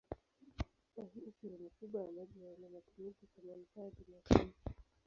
Kwa hiyo sehemu kubwa ya maji haina matumizi kwa manufaa ya binadamu.